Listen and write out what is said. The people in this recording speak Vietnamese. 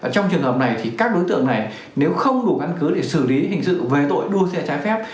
trong trường hợp này thì các đối tượng này nếu không đủ căn cứ để xử lý hình sự về tội đua xe trái phép